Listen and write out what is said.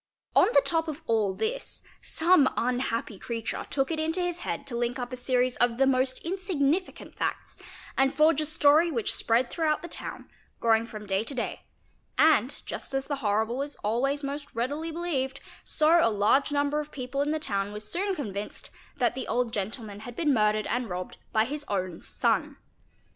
On the top of all this some unhappy creature took it into his head to link up a series of the most insignificant facts and forge a story which _ spread throughout the town, growing from day to day, and, just as the horrible is always most readily believed, so a large number of people in the town were soon convinced that the old gentleman had been murdered and robbed by his own son.